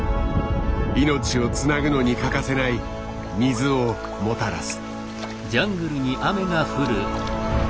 命をつなぐのに欠かせない水をもたらす。